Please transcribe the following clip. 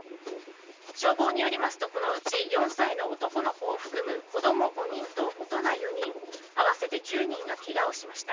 消防によりますとこのうち４歳の男の子を含む子供５人と大人４人合わせて９人がケガをしました。